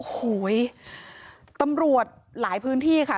โอ้โหตำรวจหลายพื้นที่ค่ะ